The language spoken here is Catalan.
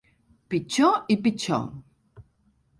Pitjor i pitjor.